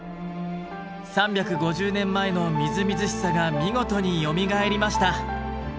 ３５０年前のみずみずしさが見事によみがえりました。